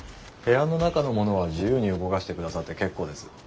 部屋の中のものは自由に動かしてくださって結構です。